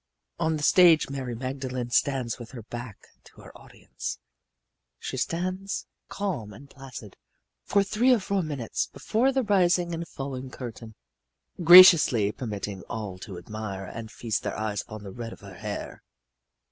On the stage Mary Magdalene stands with her back to her audience she stands, calm and placid, for three or four minutes before the rising and falling curtain, graciously permitting all to admire and feast their eyes upon the red of her hair.